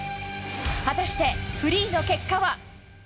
果たしてフリーの結果は？